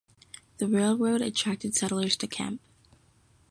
The railroad attracted settlers to Kemp.